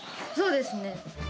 そうですね。